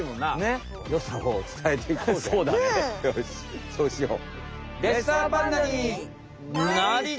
よしそうしよう。